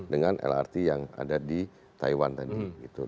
dengan lrt yang ada di taiwan tadi